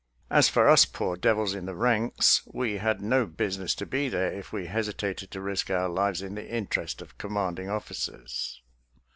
As for us poor devils in the ranks, we had no business to be there if we hesitated to risk our lives in the interest of commanding officers.